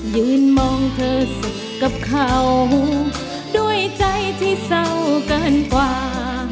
ยืนมองเธอกับเขาด้วยใจที่เศร้าเกินกว่า